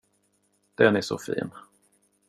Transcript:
Den är så fin.